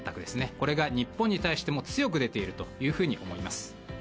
これが日本に対しても強く出ているというふうに思います。